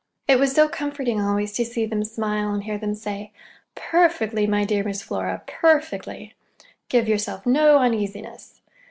It was so comforting always to see them smile, and hear them say: "Perfectly, my dear Miss Flora, perfectly! Give yourself no uneasiness."